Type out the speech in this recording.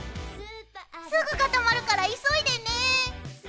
すぐ固まるから急いでね！